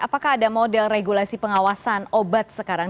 apakah ada model regulasi pengawasan obat sekarang